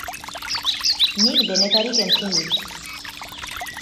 Nik denetarik entzun dut.